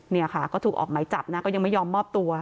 เนี่ยค่ะก็ถูกออกไหมจับนะก็ยังไม่ยอมมอบตัว